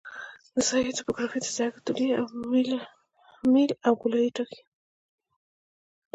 د ساحې توپوګرافي د سرک طولي میل او ګولایي ټاکي